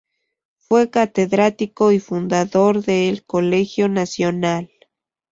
Fue catedrático y fundador de El Colegio Nacional.